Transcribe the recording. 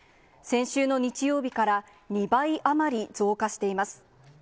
先週の日曜日から２倍余り増加しています。